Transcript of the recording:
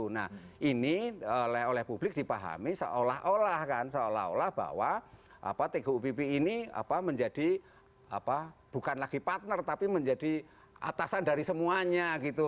nah ini oleh publik dipahami seolah olah kan seolah olah bahwa tgupp ini menjadi bukan lagi partner tapi menjadi atasan dari semuanya gitu